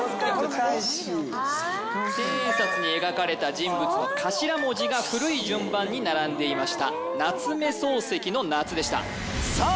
千円札に描かれた人物の頭文字が古い順番に並んでいました夏目漱石の夏でしたさあ